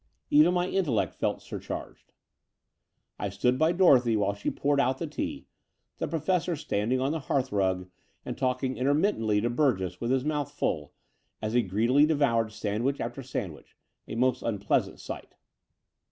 Even my intellect felt sur charged. I stood by Dorothy while she poured out the tea, the Professor standing on the hearthrug and talking intermittently to Burgess with his mouth full, as he greedily devoured sandwich after sand wich — SL most unpleasing sight.